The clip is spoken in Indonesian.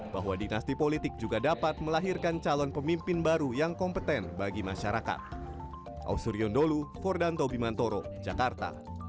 bahwa dinasti politik juga dapat melahirkan calon pemimpin baru yang kompeten bagi masyarakat